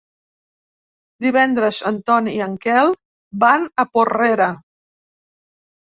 Divendres en Ton i en Quel van a Porrera.